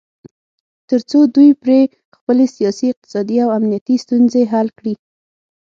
تر څو دوی پرې خپلې سیاسي، اقتصادي او امنیتي ستونځې حل کړي